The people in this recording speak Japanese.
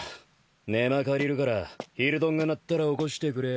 寝間借りるから昼ドンが鳴ったら起こしてくれや。